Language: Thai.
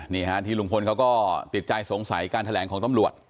นี่ฮะที่ลุงพลเขาก็ติดใจสงสัยการแถลงของตำรวจ